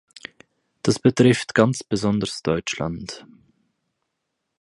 Das betrifft ganz besonders Deutschland.